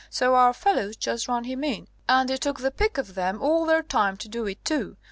So our fellows just ran him in and it took the pick of them all their time to do it, too.